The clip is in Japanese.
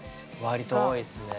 割と多いですね。